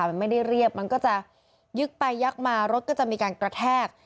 มันไม่ได้เรียบมันก็จะยึกไปยักมารถก็จะมีการกระแทก